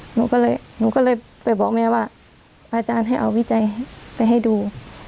หนูก็เลยหนูก็เลยไปบอกแม่ว่าพระอาจารย์ให้เอาวิจัยไปให้ดู